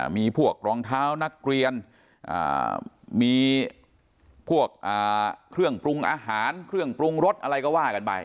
มีพวกรองเท้านักเรียนมีพวกเครื่องปรุงอาหารเครื่องปรุงรสอะไรก็ว่ากันไป